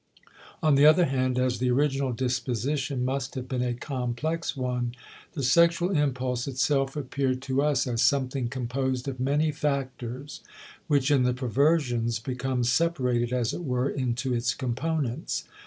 On the other hand, as the original disposition must have been a complex one, the sexual impulse itself appeared to us as something composed of many factors, which in the perversions becomes separated, as it were, into its components.